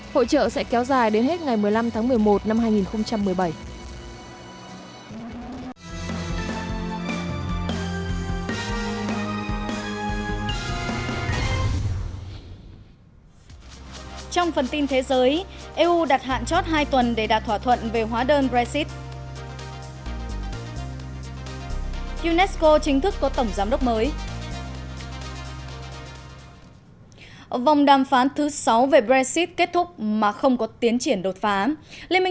hội trợ sẽ kéo dài đến hết ngày một mươi năm tháng một mươi một năm hai nghìn một mươi bảy